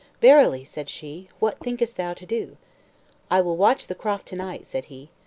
"Verily," said she, "what thinkest thou to do?" "I will watch the croft to night," said he.